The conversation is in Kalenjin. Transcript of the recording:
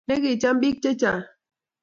Nekicham bik chechang